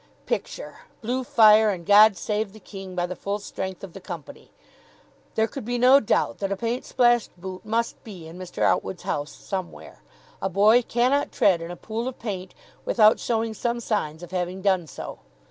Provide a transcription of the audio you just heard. Picture, Blue Fire and "God Save the King" by the full strength of the company. There could be no doubt that a paint splashed boot must be in Mr. Outwood's house somewhere. A boy cannot tread in a pool of paint without showing some signs of having done so.